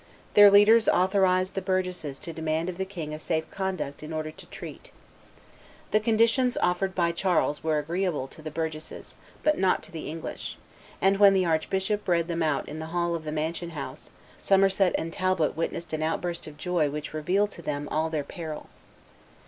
Their leaders authorized the burgesses to demand of the king a safe conduct in order to treat. The conditions offered by Charles were agreeable to the burgesses, but not to the English; and when the archbishop read them out in the hall of the mansion house, Somerset and Talbot witnessed an outburst of joy which revealed to them all their peril.